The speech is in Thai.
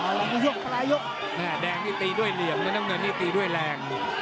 นั่นแหละแดงนี่ตีด้วยเหลี่ยมแล้วน้ำเงินนี่ตีด้วยแรง